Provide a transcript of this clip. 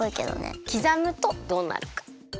きざむとどうなるか。